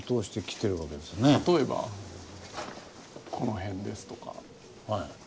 例えばこの辺ですとか。